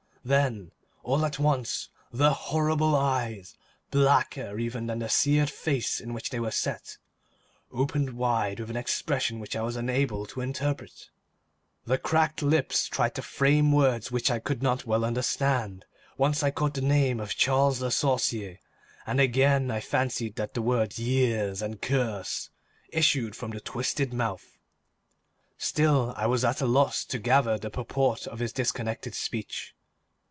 Then all at once the horrible eyes, blacker even than the seared face in which they were set, opened wide with an expression which I was unable to interpret. The cracked lips tried to frame words which I could not well understand. Once I caught the name of Charles Le Sorcier, and again I fancied that the words "years" and "curse" issued from the twisted mouth. Still I was at a loss to gather the purport of his disconnected speech.